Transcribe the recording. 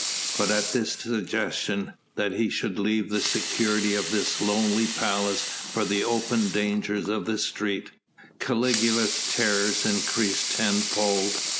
But at this suggestion that he should leave the security of this lonely palace for the open dangers of the streets, Caligula's terrors increased tenfold.